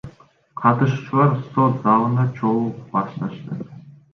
Катышуучулар сот залына чогулуп башташты.